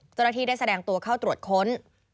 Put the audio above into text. เจ้าหน้าที่ได้แสดงตัวเข้าตรวจค้น